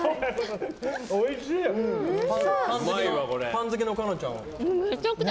パン好きの香菜ちゃんは。